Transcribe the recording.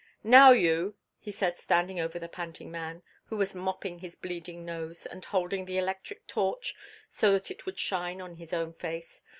"Now, you," he said standing over the panting man, who was mopping his bleeding nose, and holding the electric torch so that it would shine on his own face.